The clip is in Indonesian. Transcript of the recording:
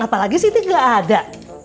apalagi siti gak ada